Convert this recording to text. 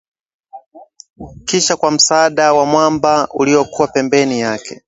kisha kwa msaada wa mwamba uliokuwa pembeni ya